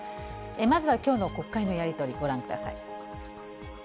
まずはきょうの国会のやり取り、ご覧ください。